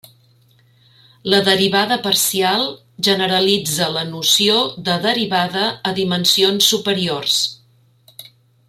La derivada parcial generalitza la noció de derivada a dimensions superiors.